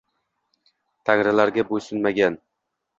Tangrilarga bo’ysunmagan